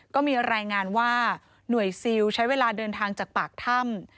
ก็มีรายงานว่าหน่วยซิลใช้เวลาเดินทางจากปากถ้ำ